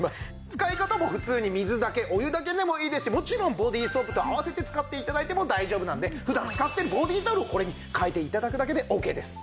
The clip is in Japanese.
使い方も普通に水だけお湯だけでもいいですしもちろんボディーソープと合わせて使って頂いても大丈夫なので普段使っているボディータオルをこれに替えて頂くだけでオーケーです。